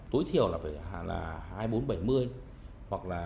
tối thiểu là phải hạ là hai mươi bốn bảy mươi hoặc là một mươi sáu ba mươi năm